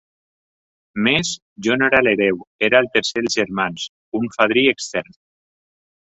Mes, jo no era l'hereu; era el tercer dels germans, un fadrí extern.